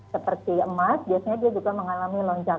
seperti emas biasanya dia juga mengalami lonjakan